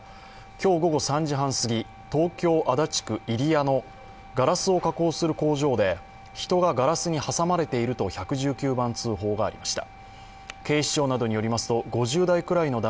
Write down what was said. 今日午後３時半すぎ、東京・足立区のガラスを加工する工場で人がガラスに挟まれていると１１９番通報がありました。